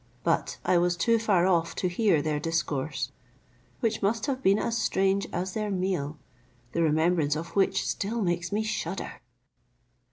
But I was too far off to hear their discourse, which must have been as strange as their meal, the remembrance of which still makes me shudder.